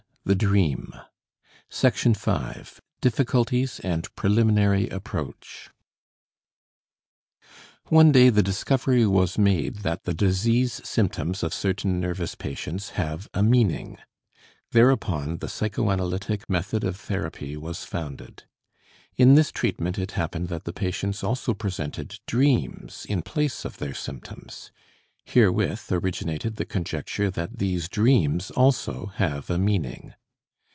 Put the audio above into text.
II THE DREAM FIFTH LECTURE THE DREAM Difficulties and Preliminary Approach One day the discovery was made that the disease symptoms of certain nervous patients have a meaning. Thereupon the psychoanalytic method of therapy was founded. In this treatment it happened that the patients also presented dreams in place of their symptoms. Herewith originated the conjecture that these dreams also have a meaning.